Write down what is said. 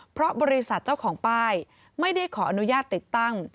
เพราะบริษัทเจ้าของป้ายไม่ได้ขออนุญาตติดตั้ง